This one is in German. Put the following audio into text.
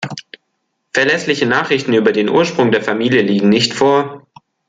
Verlässliche Nachrichten über den Ursprung der Familie liegen nicht vor.